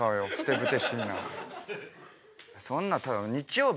そんなただ。